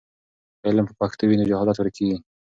که علم په پښتو وي نو جهالت ورکېږي.